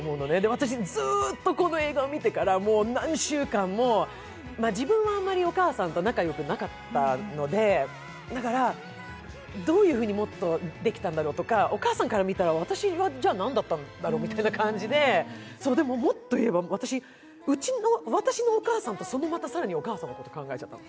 私、ずーっとこの映画を見てから何週間も、自分はあまりお母さんと仲よくなかったので、だからどういうふうにもっとできたんだろうとか、お母さんから見たら、私はじゃ何だったんだろうみたいな感じででも、もっといえば、私のお母さんのそのまた更にお母さんのことを考えちゃった。